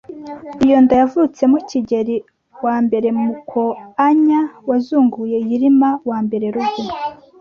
Iyo nda yavutsemo Kigeli I Mukoanya wazunguye yilima I Rugwe